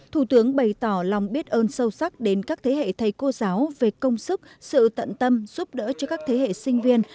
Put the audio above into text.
thủ tướng bày tỏ lòng biết ơn sâu sắc đến các thế hệ thầy cô giáo về công sức sự tận tâm giúp đỡ cho các thế hệ sinh viên